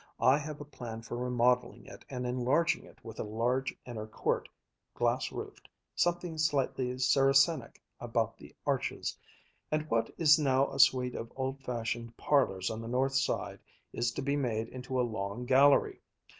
I have a plan for remodeling it and enlarging it with a large inner court, glass roofed something slightly Saracenic about the arches and what is now a suite of old fashioned parlors on the north side is to be made into a long gallery.